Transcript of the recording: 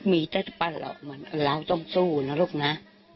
มีตัดประหลาดเหราะล้วนเราต้องสู้นะลูกนะ